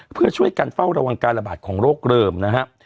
เพื่อช่วยกันเฝ้าระวังการระบาดของโรคเริ่มนะครับ